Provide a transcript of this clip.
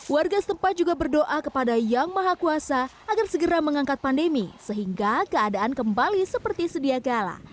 warga setempat juga berdoa kepada yang maha kuasa agar segera mengangkat pandemi sehingga keadaan kembali seperti sedia gala